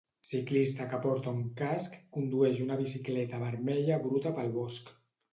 Ciclista que porta un casc condueix una bicicleta vermella bruta pel bosc.